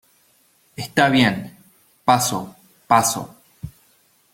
Está bien, paso , paso.